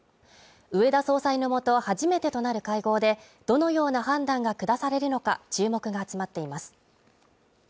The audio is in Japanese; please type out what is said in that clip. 植田総裁のもと初めてとなる会合でどのような判断がくだされるのか注目が集まっています。